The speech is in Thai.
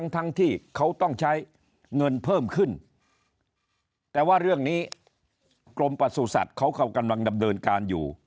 ทั้งที่เขาต้องใช้เงินเพิ่มขึ้นแต่ว่าเรื่องนี้กรมประสุทธิ์สัตว์เขาก็กำลังดำเนินการอยู่